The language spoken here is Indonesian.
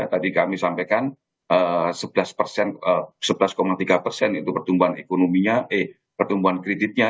tadi kami sampaikan sebelas tiga persen itu pertumbuhan ekonominya eh pertumbuhan kreditnya